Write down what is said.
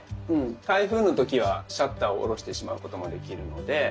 台風の時はシャッターを下ろしてしまうこともできるので。